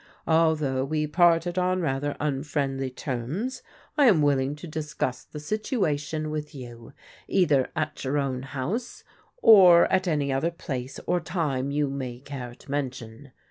Although we parted on rather unfriendly terms, I am willing to discuss the situation with you either at your own house or at any other place or time you may care to mention.